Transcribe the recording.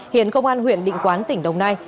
hiện công an huyện định quán tỉnh đồng nai